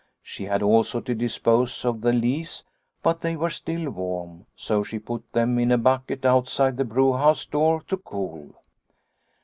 She had also to dispose of the lees, but they were still warm, so she put them in a bucket outside the brewhouse door to cool.